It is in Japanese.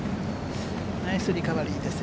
ナイスリカバリーです。